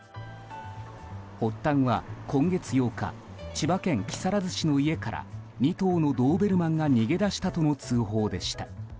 発端は今月８日千葉県木更津市の家から２頭のドーベルマンが逃げ出したとの通報でした。